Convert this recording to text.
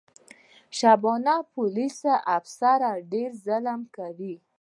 شبانه پولیس افیسره ډېر ظلم کوي.